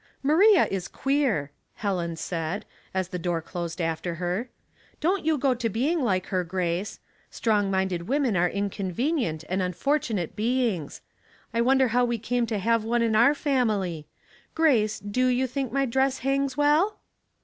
" Maria is queer," Helen said, as the door closed after her. ''Don't you go to being like her, Grace. Strong minded women are incon venient and unfortunate beings. I wonder how we came to have one in our family ? Grace, do you think my dress hangs well?"